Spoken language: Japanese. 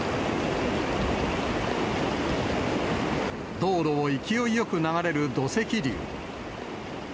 道路を勢いよく流れる土石流。